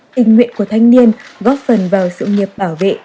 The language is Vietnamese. tình nguyện của thanh niên góp phần vào sự nghiệp bảo vệ